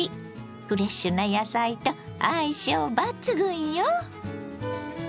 フレッシュな野菜と相性抜群よ。